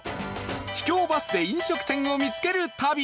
秘境バスで飲食店を見つける旅